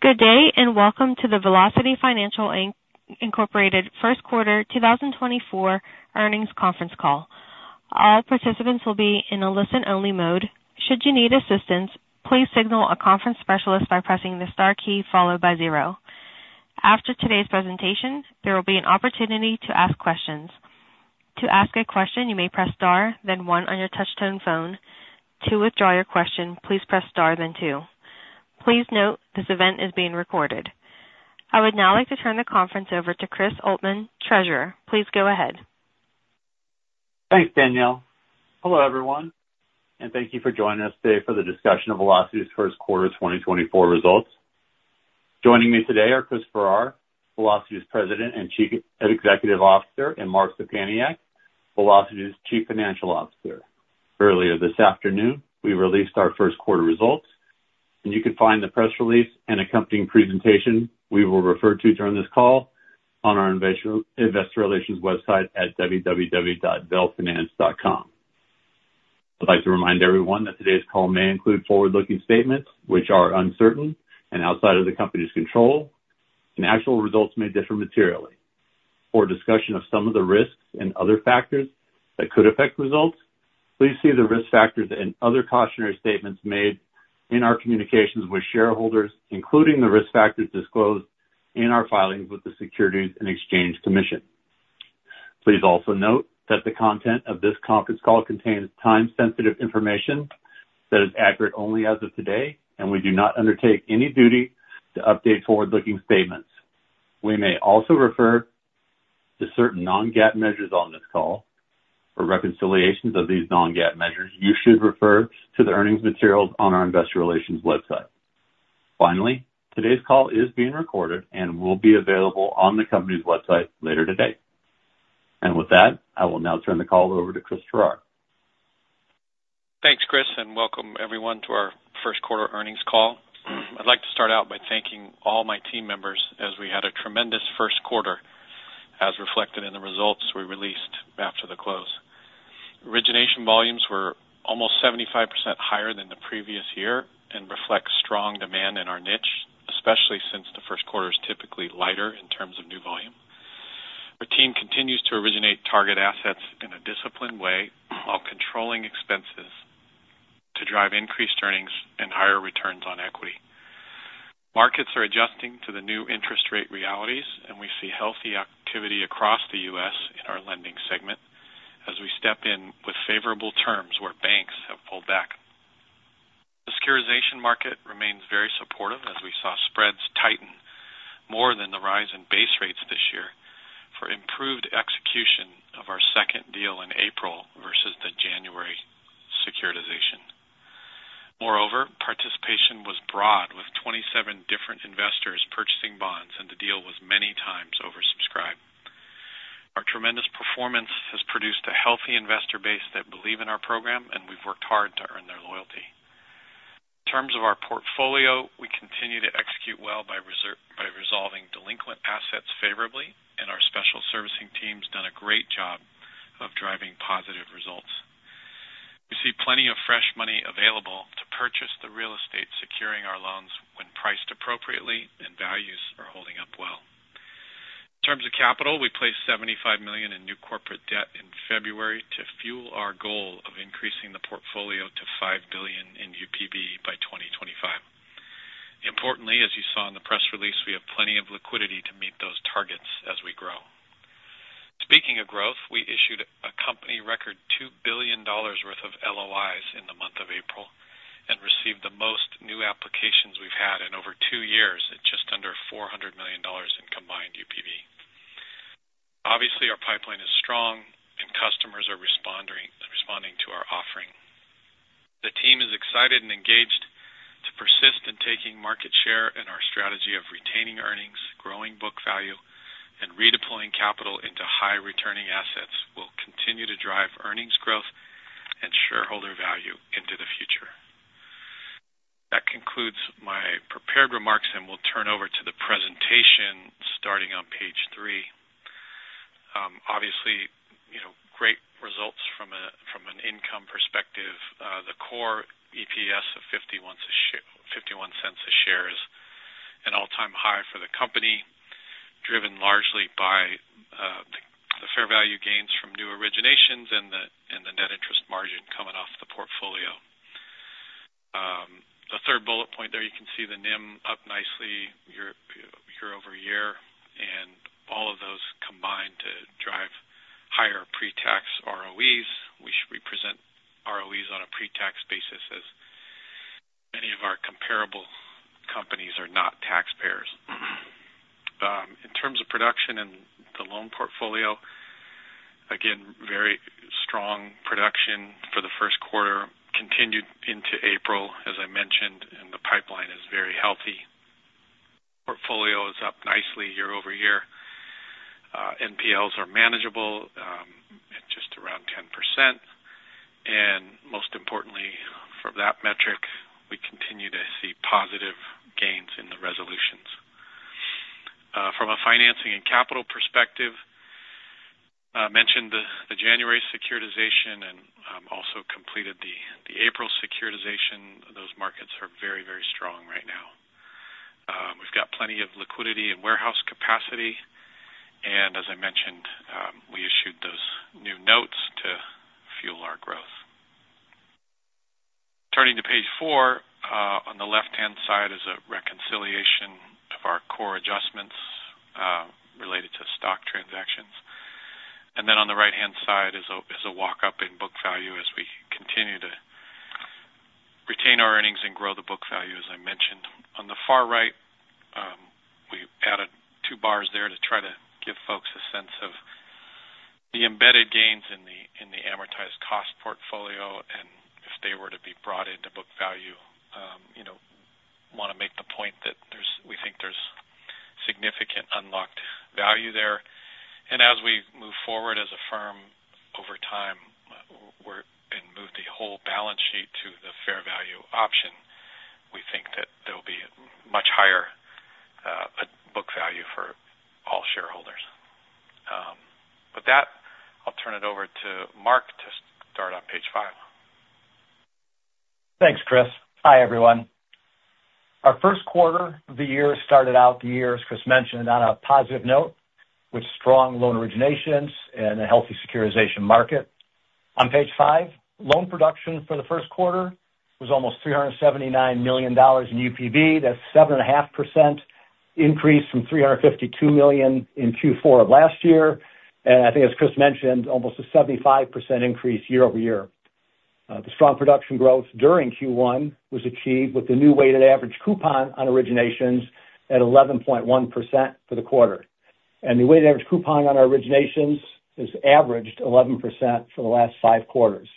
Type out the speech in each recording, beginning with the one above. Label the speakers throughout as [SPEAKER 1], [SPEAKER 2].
[SPEAKER 1] Good day, and welcome to the Velocity Financial, Inc. first quarter 2024 earnings conference call. All participants will be in a listen-only mode. Should you need assistance, please signal a conference specialist by pressing the star key followed by zero. After today's presentation, there will be an opportunity to ask questions. To ask a question, you may press star, then one on your touch-tone phone. To withdraw your question, please press star, then two. Please note, this event is being recorded. I would now like to turn the conference over to Chris Oltmann, Treasurer. Please go ahead.
[SPEAKER 2] Thanks, Danielle. Hello, everyone, and thank you for joining us today for the discussion of Velocity's first quarter 2024 results. Joining me today are Chris Farrar, Velocity's President and Chief Executive Officer, and Mark Szczepaniak, Velocity's Chief Financial Officer. Earlier this afternoon, we released our first quarter results, and you can find the press release and accompanying presentation we will refer to during this call on our investor relations website at www.velfinance.com. I'd like to remind everyone that today's call may include forward-looking statements which are uncertain and outside of the company's control, and actual results may differ materially. For a discussion of some of the risks and other factors that could affect results, please see the risk factors and other cautionary statements made in our communications with shareholders, including the risk factors disclosed in our filings with the Securities and Exchange Commission. Please also note that the content of this conference call contains time-sensitive information that is accurate only as of today, and we do not undertake any duty to update forward-looking statements. We may also refer to certain non-GAAP measures on this call. For reconciliations of these non-GAAP measures, you should refer to the earnings materials on our investor relations website. Finally, today's call is being recorded and will be available on the company's website later today. With that, I will now turn the call over to Chris Farrar.
[SPEAKER 3] Thanks, Chris, and welcome everyone to our first quarter earnings call. I'd like to start out by thanking all my team members as we had a tremendous first quarter, as reflected in the results we released after the close. Origination volumes were almost 75% higher than the previous year and reflect strong demand in our niche, especially since the first quarter is typically lighter in terms of new volume. Our team continues to originate target assets in a disciplined way while controlling expenses to drive increased earnings and higher returns on equity. Markets are adjusting to the new interest rate realities, and we see healthy activity across the U.S. in our lending segment as we step in with favorable terms where banks have pulled back. The securitization market remains very supportive, as we saw spreads tighten more than the rise in base rates this year for improved execution of our second deal in April versus the January securitization. Moreover, participation was broad, with 27 different investors purchasing bonds, and the deal was many times oversubscribed. Our tremendous performance has produced a healthy investor base that believe in our program, and we've worked hard to earn their loyalty. In terms of our portfolio, we continue to execute well by resolving delinquent assets favorably, and our special servicing team's done a great job of driving positive results. We see plenty of fresh money available to purchase the real estate, securing our loans when priced appropriately, and values are holding up well. In terms of capital, we placed $75 million in new corporate debt in February to fuel our goal of increasing the portfolio to $5 billion in UPB by 2025. Importantly, as you saw in the press release, we have plenty of liquidity to meet those targets as we grow. Speaking of growth, we issued a company record $2 billion worth of LOIs in the month of April and received the most new applications we've had in over two years at just under $400 million in combined UPB. Obviously, our pipeline is strong and customers are responding, responding to our offering. The team is excited and engaged to persist in taking market share, and our strategy of retaining earnings, growing book value, and redeploying capital into high-returning assets will continue to drive earnings growth and shareholder value into the future. That concludes my prepared remarks, and we'll turn over to the presentation starting on page three. Obviously, you know, great results from an income perspective. The core EPS of $0.51 a share is an all-time high for the company, driven largely by the fair value gains from new originations and the net interest margin coming off the portfolio. The third bullet point there, you can see the NIM up nicely year-over-year, and all of those combine to drive higher pre-tax ROEs. We should present ROEs on a pre-tax basis as many of our comparable companies are not taxpayers. In terms of production and the loan portfolio, again, very strong production for the first quarter continued into April, as I mentioned, and the pipeline is very healthy. Portfolio is up nicely year-over-year. NPLs are manageable at just around 10%, and most importantly for that metric, we continue to see positive gains. From a financing and capital perspective, mentioned the January securitization and also completed the April securitization. Those markets are very, very strong right now. We've got plenty of liquidity and warehouse capacity, and as I mentioned, we issued those new notes to fuel our growth. Turning to page four, on the left-hand side is a reconciliation of our core adjustments related to stock transactions. And then on the right-hand side is a walk-up in book value as we continue to retain our earnings and grow the book value, as I mentioned. On the far right, we added two bars there to try to give folks a sense of the embedded gains in the amortized cost portfolio, and if they were to be brought into book value, you know, wanna make the point that we think there's significant unlocked value there. And as we move forward as a firm over time, and move the whole balance sheet to the fair value option, we think that there'll be a much higher book value for all shareholders. With that, I'll turn it over to Mark to start on page five.
[SPEAKER 4] Thanks, Chris. Hi, everyone. Our first quarter of the year started out the year, as Chris mentioned, on a positive note, with strong loan originations and a healthy securitization market. On page five, loan production for the first quarter was almost $379 million in UPB. That's 7.5% increase from $352 million in Q4 of last year. And I think, as Chris mentioned, almost a 75% increase year-over-year. The strong production growth during Q1 was achieved with the new weighted average coupon on originations at 11.1% for the quarter. And the weighted average coupon on our originations has averaged 11% for the last five quarters.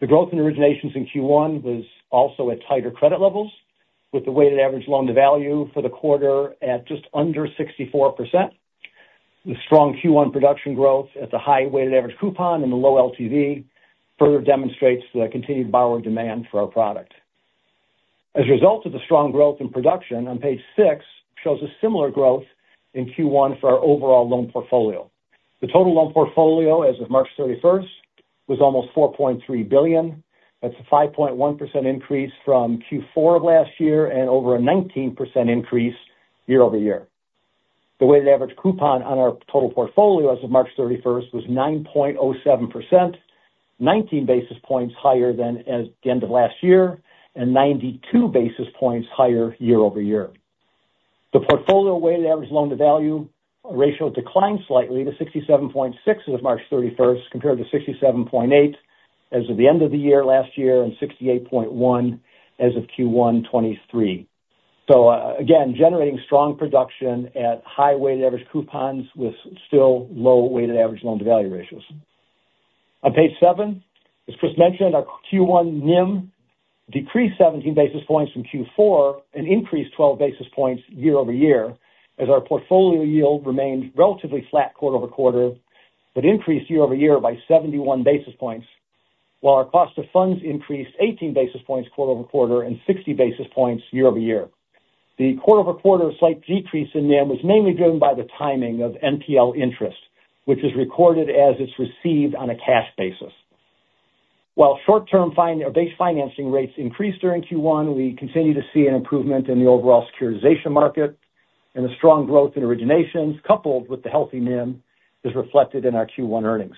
[SPEAKER 4] The growth in originations in Q1 was also at tighter credit levels, with the weighted average loan-to-value for the quarter at just under 64%. The strong Q1 production growth at the high weighted average coupon and the low LTV further demonstrates the continued borrower demand for our product. As a result of the strong growth in production, on page six shows a similar growth in Q1 for our overall loan portfolio. The total loan portfolio as of March 31st was almost $4.3 billion. That's a 5.1% increase from Q4 of last year and over a 19% increase year-over-year. The weighted average coupon on our total portfolio as of March 31st was 9.07%, 19 basis points higher than at the end of last year, and 92 basis points higher year-over-year. The portfolio weighted average loan-to-value ratio declined slightly to 67.6 as of March 31st, compared to 67.8 as of the end of the year last year, and 68.1 as of Q1 2023. So, again, generating strong production at high weighted average coupons with still low weighted average loan-to-value ratios. On page seven, as Chris mentioned, our Q1 NIM decreased 17 basis points from Q4 and increased 12 basis points year-over-year, as our portfolio yield remained relatively flat quarter-over-quarter, but increased year-over-year by 71 basis points, while our cost of funds increased 18 basis points quarter-over-quarter and 60 basis points year-over-year. The quarter-over-quarter slight decrease in NIM was mainly driven by the timing of NPL interest, which is recorded as it's received on a cash basis. While short-term fixed- or base financing rates increased during Q1, we continue to see an improvement in the overall securitization market, and the strong growth in originations, coupled with the healthy NIM, is reflected in our Q1 earnings.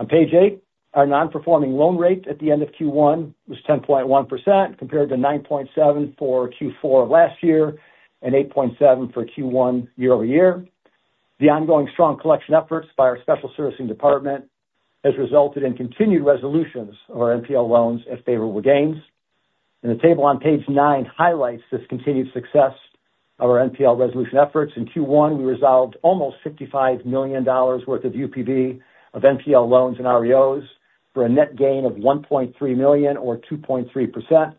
[SPEAKER 4] On page eight, our non-performing loan rate at the end of Q1 was 10.1%, compared to 9.7% for Q4 of last year and 8.7% for Q1 year-over-year. The ongoing strong collection efforts by our special servicing department has resulted in continued resolutions of our NPL loans at favorable gains. The table on page nine highlights this continued success of our NPL resolution efforts. In Q1, we resolved almost $55 million worth of UPB of NPL loans and REOs for a net gain of $1.3 million or 2.3%.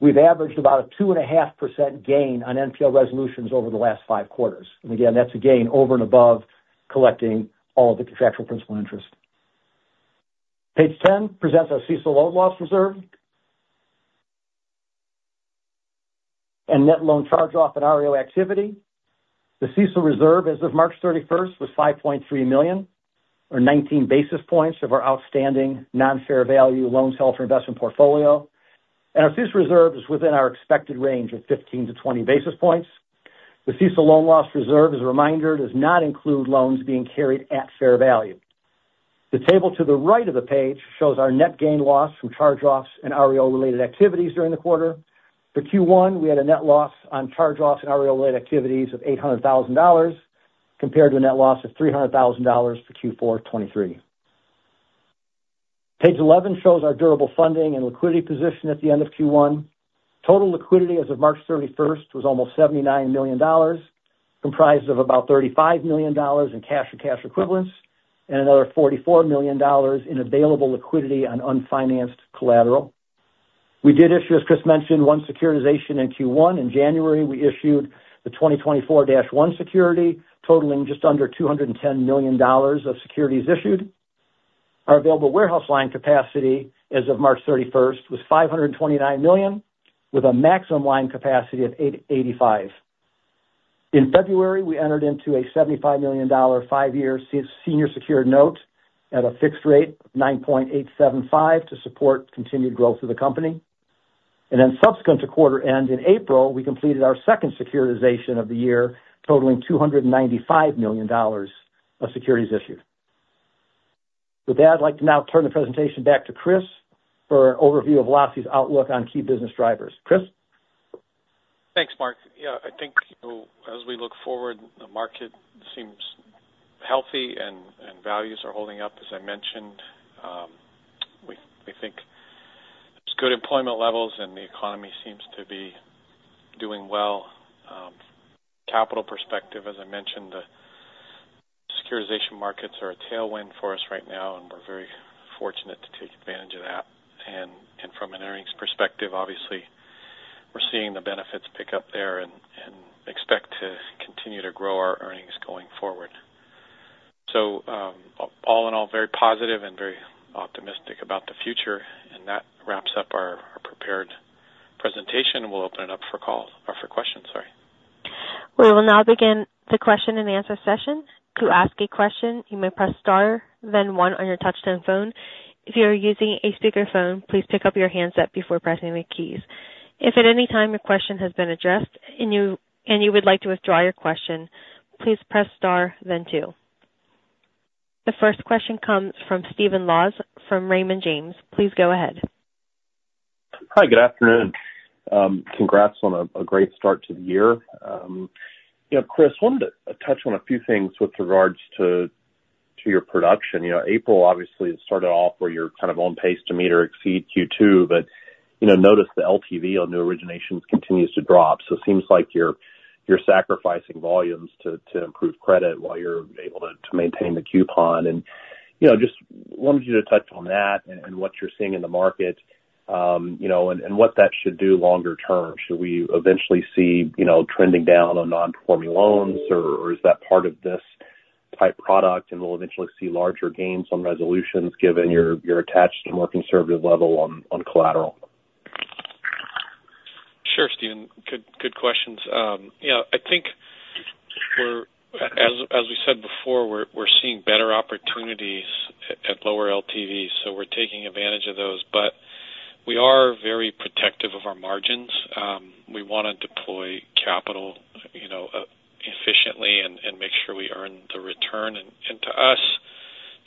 [SPEAKER 4] We've averaged about a 2.5% gain on NPL resolutions over the last five quarters. Again, that's a gain over and above collecting all the contractual principal interest. Page 10 presents our CECL loan loss reserve and net loan charge-off and REO activity. The CECL reserve as of March 31st, was $5.3 million, or 19 basis points of our outstanding non-fair-value loans held-for-investment portfolio, and our CECL reserve is within our expected range of 15-20 basis points. The CECL loan loss reserve, as a reminder, does not include loans being carried at fair value. The table to the right of the page shows our net gain/loss from charge-offs and REO-related activities during the quarter. For Q1, we had a net loss on charge-offs and REO-related activities of $800,000, compared to a net loss of $300,000 for Q4 2023. Page 11 shows our durable funding and liquidity position at the end of Q1. Total liquidity as of March 31st was almost $79 million, comprised of about $35 million in cash and cash equivalents and another $44 million in available liquidity on unfinanced collateral. We did issue, as Chris mentioned, one securitization in Q1. In January, we issued the 2024-1 security, totaling just under $210 million of securities issued. Our available warehouse line capacity as of March 31st was $529 million, with a maximum line capacity of $885 million. In February, we entered into a $75 million five-year senior secured note at a fixed rate of 9.875% to support continued growth of the company. Subsequent to quarter end, in April, we completed our second securitization of the year, totaling $295 million of securities issued. With that, I'd like to now turn the presentation back to Chris for an overview of Velocity's outlook on key business drivers. Chris?
[SPEAKER 3] Thanks, Mark. Yeah, I think, as we look forward, the market seems healthy and values are holding up, as I mentioned. We think there's good employment levels, and the economy seems to be doing well. Capital perspective, as I mentioned, the securitization markets are a tailwind for us right now, and we're very fortunate to take advantage of that. And from an earnings perspective, obviously, we're seeing the benefits pick up there and expect to continue to grow our earnings going forward. So, all in all, very positive and very optimistic about the future. And that wraps up our prepared presentation. We'll open it up for calls or for questions, sorry.
[SPEAKER 1] We will now begin the question-and-answer session. To ask a question, you may press star, then one on your touchtone phone. If you are using a speakerphone, please pick up your handset before pressing the keys. If at any time your question has been addressed and you would like to withdraw your question, please press star, then two. The first question comes from Stephen Laws, from Raymond James. Please go ahead.
[SPEAKER 5] Hi, good afternoon. Congrats on a great start to the year. You know, Chris, wanted to touch on a few things with regards to your production. You know, April obviously started off where you're kind of on pace to meet or exceed Q2, but, you know, noticed the LTV on new originations continues to drop. So it seems like you're sacrificing volumes to improve credit while you're able to maintain the coupon. And, you know, just wanted you to touch on that and what you're seeing in the market, you know, and what that should do longer term. Should we eventually see, you know, trending down on non-performing loans, or is that part of this type product, and we'll eventually see larger gains on resolutions given you're attached to a more conservative level on collateral?
[SPEAKER 3] Sure, Steven. Good, good questions. You know, I think we're—as we said before, we're seeing better opportunities at lower LTVs, so we're taking advantage of those. But we are very protective of our margins. We wanna deploy capital, you know, efficiently and make sure we earn the return. And to us,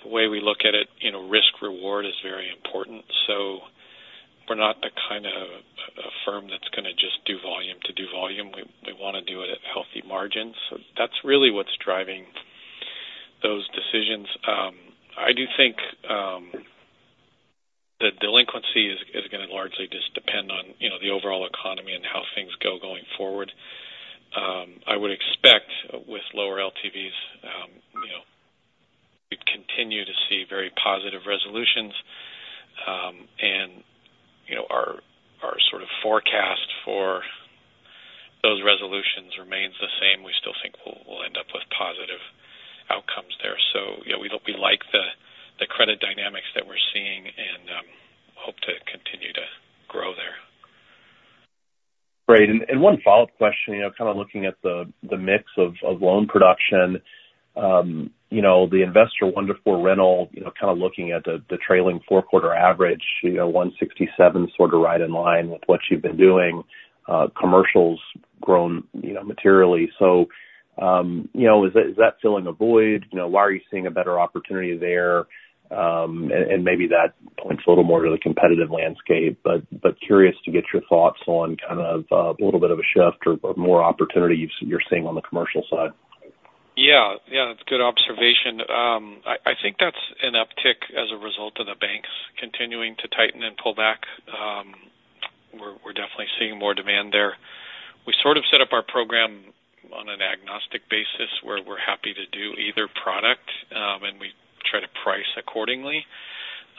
[SPEAKER 3] the way we look at it, you know, risk reward is very important. So we're not the kind of a firm that's gonna just do volume to do volume. We wanna do it at healthy margins. So that's really what's driving those decisions. I do think the delinquency is gonna largely just depend on, you know, the overall economy and how things go forward. I would expect with lower LTVs, you know, we'd continue to see very positive resolutions. And, you know, our sort of forecast for those resolutions remains the same. We still think we'll end up with positive outcomes there. So, yeah, we hope we like the credit dynamics that we're seeing and hope to continue to grow there.
[SPEAKER 5] Great. And one follow-up question, you know, kind of looking at the mix of loan production. You know, the investor one-to-four residential, you know, kind of looking at the trailing four-quarter average, you know, 167, sort of right in line with what you've been doing. Commercial's grown, you know, materially. So, you know, is that filling a void? You know, why are you seeing a better opportunity there? And maybe that points a little more to the competitive landscape, but curious to get your thoughts on kind of a little bit of a shift or more opportunity you're seeing on the commercial side.
[SPEAKER 3] Yeah, yeah, that's a good observation. I think that's an uptick as a result of the banks continuing to tighten and pull back. We're definitely seeing more demand there. We sort of set up our program on an agnostic basis, where we're happy to do either product, and we try to price accordingly.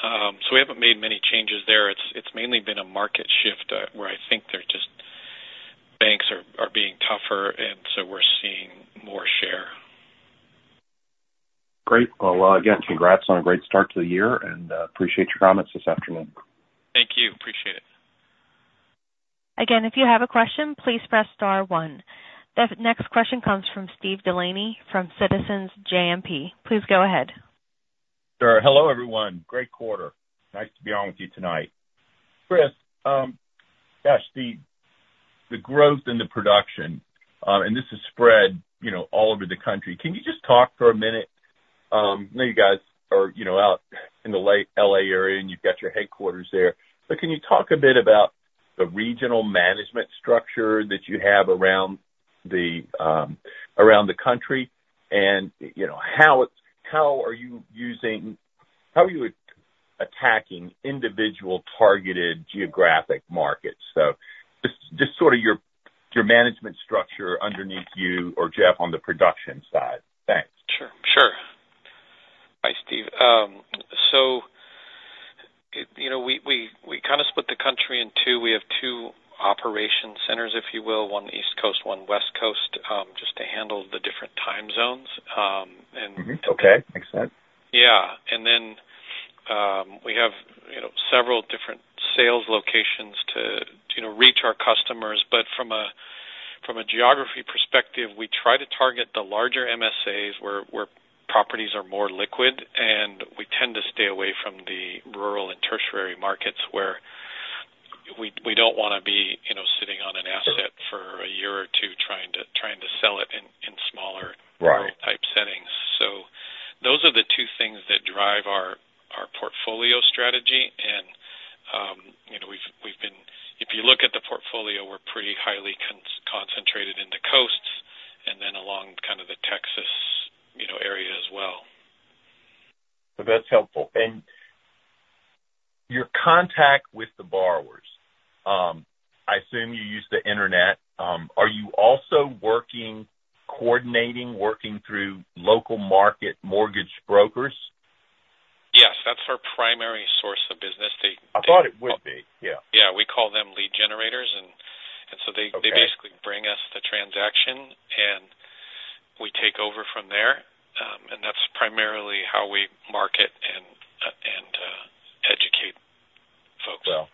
[SPEAKER 3] So we haven't made many changes there. It's mainly been a market shift, where I think they're just... Banks are being tougher, and so we're seeing more share.
[SPEAKER 5] Great. Well, again, congrats on a great start to the year, and appreciate your comments this afternoon.
[SPEAKER 3] Thank you. Appreciate it.
[SPEAKER 1] Again, if you have a question, please press star one. The next question comes from Steve Delaney from Citizens JMP. Please go ahead.
[SPEAKER 6] Sure. Hello, everyone. Great quarter. Nice to be on with you tonight. Chris, yes, the growth and the production, and this is spread, you know, all over the country. Can you just talk for a minute? I know you guys are, you know, out in the L.A. area, and you've got your headquarters there. But can you talk a bit about the regional management structure that you have around the country? And, you know, how it's, how are you using, how are you attacking individual targeted geographic markets? So just sort of your management structure underneath you or Jeff on the production side. Thanks.
[SPEAKER 3] Sure. Sure. Hi, Steve. You know, we kind of split the country in two. We have two operation centers, if you will, one East Coast, one West Coast, just to handle the different time zones. And-
[SPEAKER 6] Mm-hmm. Okay, makes sense.
[SPEAKER 3] Yeah. And then, we have, you know, several different sales locations to, you know, reach our customers. But from a geography perspective, we try to target the larger MSAs, where properties are more liquid, and we tend to stay away from the rural and tertiary markets where we don't want to be, you know, sitting on an asset for a year or two trying to sell it in smaller-
[SPEAKER 6] Right.
[SPEAKER 3] -type settings. So those are the two things that drive our portfolio strategy. And you know, we've been. If you look at the portfolio, we're pretty highly concentrated in the coasts and then along kind of the Texas, you know, area as well.
[SPEAKER 6] So that's helpful. And your contact with the borrowers, I assume you use the internet. Are you also working, coordinating, working through local market mortgage brokers?
[SPEAKER 3] Yes, that's our primary source of business. They-
[SPEAKER 6] I thought it would be. Yeah.
[SPEAKER 3] Yeah. We call them lead generators. And so they-
[SPEAKER 6] Okay.
[SPEAKER 3] -they basically bring us the transaction, and we take over from there. And that's primarily how we market and educate folks.
[SPEAKER 6] Well,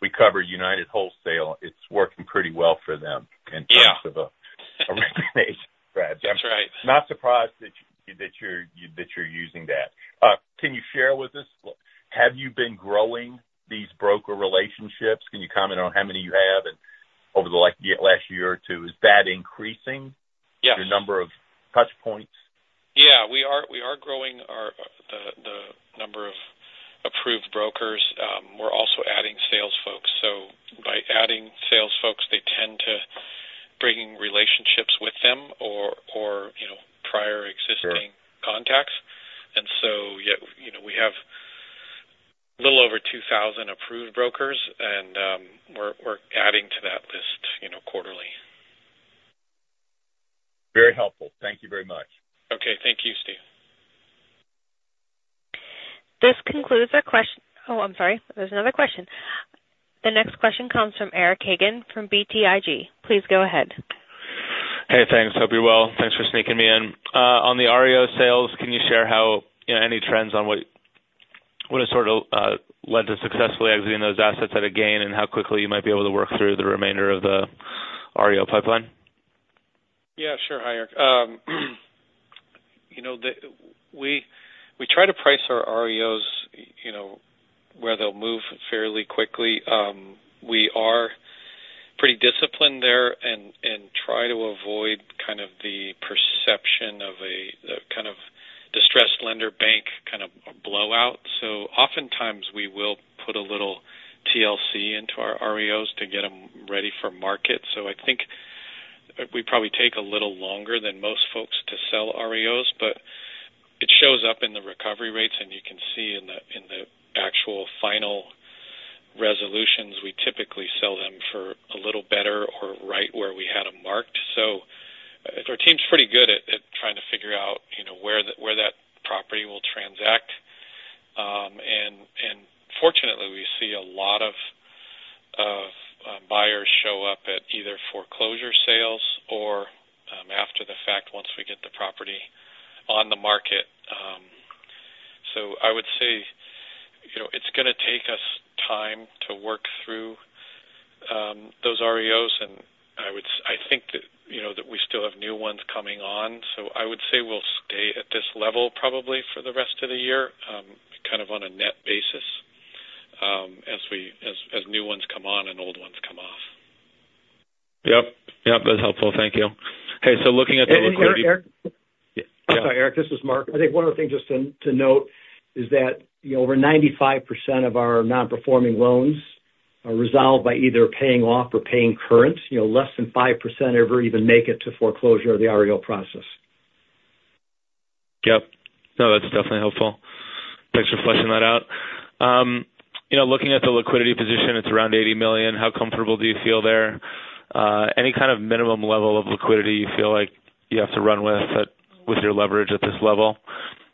[SPEAKER 6] we cover United Wholesale. It's working pretty well for them.
[SPEAKER 3] Yeah.
[SPEAKER 6] in terms of a relationship.
[SPEAKER 3] That's right.
[SPEAKER 6] Not surprised that you're using that. Can you share with us, have you been growing these broker relationships? Can you comment on how many you have and over the like, last year or two, is that increasing?
[SPEAKER 3] Yes.
[SPEAKER 6] Your number of touch points?
[SPEAKER 3] Yeah, we are growing our number of approved brokers. We're also adding sales folks. So by adding sales folks, they tend to bring relationships with them or you know, prior existing-
[SPEAKER 6] Sure
[SPEAKER 3] -contacts. So, yeah, you know, we have a little over 2,000 approved brokers, and we're adding to that list, you know, quarterly.
[SPEAKER 6] Very helpful. Thank you very much.
[SPEAKER 3] Okay. Thank you, Steve.
[SPEAKER 1] This concludes our -- Oh, I'm sorry, there's another question. The next question comes from Eric Hagen from BTIG. Please go ahead.
[SPEAKER 7] Hey, thanks. Hope you're well. Thanks for sneaking me in. On the REO sales, can you share how, you know, any trends on what has sort of led to successfully exiting those assets at a gain, and how quickly you might be able to work through the remainder of the REO pipeline?
[SPEAKER 3] Yeah, sure. Hi, Eric. You know, we try to price our REOs, you know, where they'll move fairly quickly. We are pretty disciplined there and try to avoid kind of the perception of a kind of distressed lender bank kind of blowout. So oftentimes we will put a little TLC into our REOs to get them ready for market. So I think we probably take a little longer than most folks to sell REOs, but it shows up in the recovery rates, and you can see in the actual final resolutions, we typically sell them for a little better or right where we had them marked. So our team's pretty good at trying to figure out, you know, where that property will transact. And fortunately, we see a lot of buyers show up at either foreclosure sales or after the fact once we get the property on the market. So I would say, you know, it's going to take us time to work through those REOs, and I think that, you know, we still have new ones coming on. So I would say we'll stay at this level probably for the rest of the year, kind of on a net basis, as new ones come on and old ones come off.
[SPEAKER 7] Yep. Yep, that's helpful. Thank you. Okay, so looking at the liquidity-
[SPEAKER 6] Hey, Eric. Eric-
[SPEAKER 7] Yeah.
[SPEAKER 6] Sorry, Eric, this is Mark. I think one other thing just to note is that, you know, over 95% of our non-performing loans are resolved by either paying off or paying current. You know, less than 5% ever even make it to foreclosure or the REO process.
[SPEAKER 7] Yep. No, that's definitely helpful. Thanks for fleshing that out. You know, looking at the liquidity position, it's around $80 million. How comfortable do you feel there? Any kind of minimum level of liquidity you feel like you have to run with that, with your leverage at this level?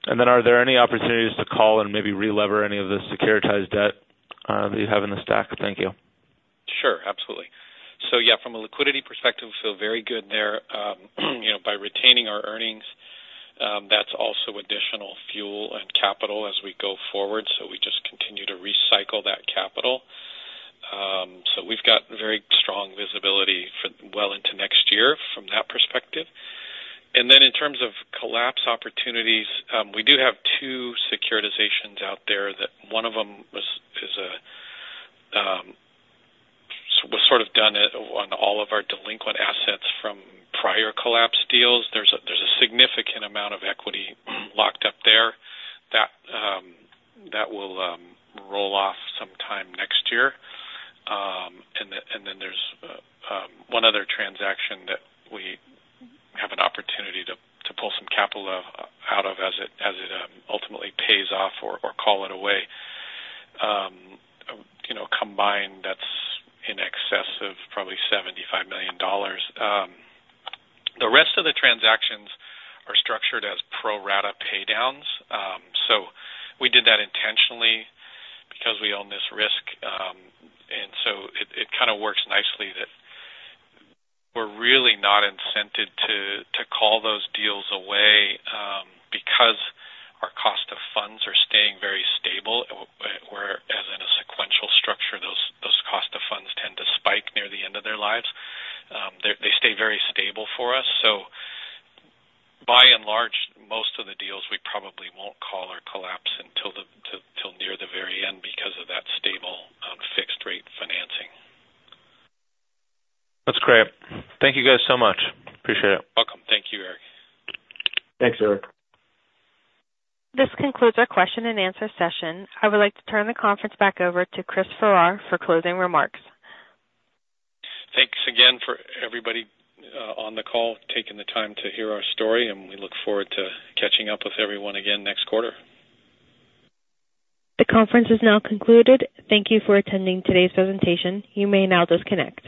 [SPEAKER 7] And then are there any opportunities to call and maybe re-lever any of the securitized debt that you have in the stack? Thank you.
[SPEAKER 3] Sure, absolutely. So yeah, from a liquidity perspective, we feel very good there. You know, by retaining our earnings, that's also additional fuel and capital as we go forward. So we just continue to recycle that capital. So we've got very strong visibility for well into next year from that perspective. And then in terms of call opportunities, we do have two securitizations out there that one of them is a, was sort of done on all of our delinquent assets from prior call deals. There's a significant amount of equity locked up there that will roll off sometime next year. And then there's one other transaction that we have an opportunity to pull some capital out of as it ultimately pays off or call it away. You know, combined, that's in excess of probably $75 million. The rest of the transactions are structured as pro rata paydowns. So we did that intentionally because we own this risk. And so it kind of works nicely that we're really not incented to call those deals away, because our cost of funds are staying very stable. Whereas in a sequential structure, those cost of funds tend to spike near the end of their lives. They stay very stable for us. So by and large, most of the deals we probably won't call or collapse until till near the very end because of that stable fixed rate financing.
[SPEAKER 7] That's great. Thank you guys so much. Appreciate it.
[SPEAKER 3] Welcome. Thank you, Eric.
[SPEAKER 6] Thanks, Eric.
[SPEAKER 1] This concludes our question and answer session. I would like to turn the conference back over to Chris Farrar for closing remarks.
[SPEAKER 3] Thanks again for everybody on the call, taking the time to hear our story, and we look forward to catching up with everyone again next quarter.
[SPEAKER 1] The conference is now concluded. Thank you for attending today's presentation. You may now disconnect.